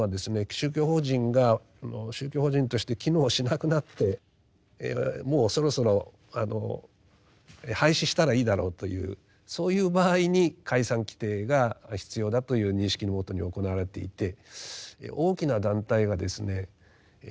宗教法人が宗教法人として機能しなくなってもうそろそろ廃止したらいいだろうというそういう場合に解散規定が必要だという認識のもとに行われていて大きな団体がですね